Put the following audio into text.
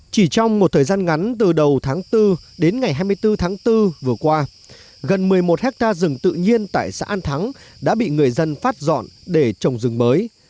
chỉ trong một thời gian ngắn từ đầu tháng bốn đến ngày hai mươi bốn tháng bốn vừa qua gần một mươi một hectare rừng tự nhiên tại xã an thắng đã bị người dân phát dọn để trồng rừng mới